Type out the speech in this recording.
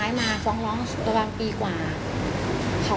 ใช้มาเป็นหนี้ที่เราเป็น